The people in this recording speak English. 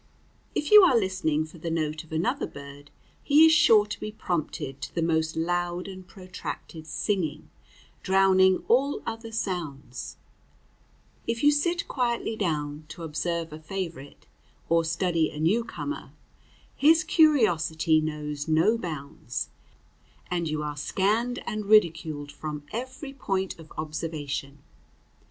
If you are listening for the note of another bird, he is sure to be prompted to the most loud and protracted singing, drowning all other sounds; if you sit quietly down to observe a favorite or study a new comer, his curiosity knows no bounds, and you are scanned and ridiculed from every point of observation.